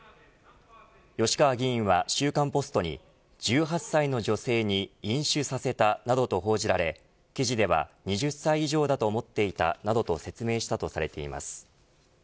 吉川議員は週刊ポストに１８歳の女性に飲酒させたなどと報じられ記事では２０歳以上だと思っていたなどと説明したとされています。